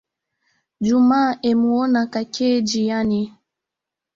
Juma emuona kakeye njiani